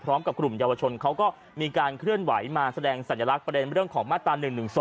กลุ่มเยาวชนเขาก็มีการเคลื่อนไหวมาแสดงสัญลักษณ์ประเด็นเรื่องของมาตรา๑๑๒